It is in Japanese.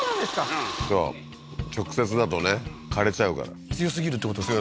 うん直接だとね枯れちゃうから強すぎるってことですか？